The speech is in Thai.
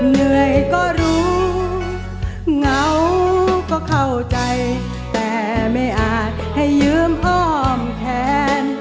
เหงาก็เข้าใจแต่ไม่อาจให้เยื้มอ้อมแทน